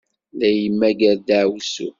La imegger ddaɛwessu.